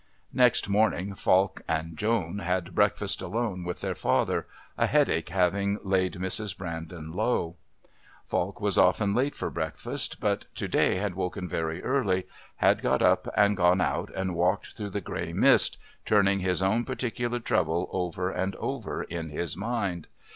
Next morning Falk and Joan had breakfast alone with their father, a headache having laid Mrs. Brandon low. Falk was often late for breakfast, but to day had woken very early, had got up and gone out and walked through the grey mist, turning his own particular trouble over and over in his mind.